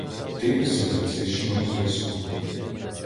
Типи синтаксичного зв'язку